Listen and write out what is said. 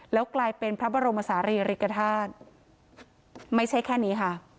แล้วกลายเป็นพระบรมศาลีริกฐาตุไม่ใช่แค่นี้ค่ะ